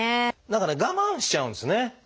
何かね我慢しちゃうんですね。